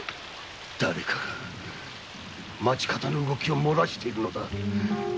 誰かが町方の動きを漏らしているのだ！